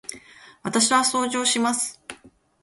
私は掃除をします。